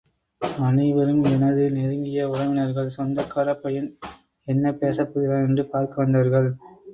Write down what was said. அனைவரும் எனது நெருங்கிய உறவினர்கள், சொந்தக்காரப் பையன் என்ன பேசப் போகிறான் என்று பார்க்க வந்தவர்கள்.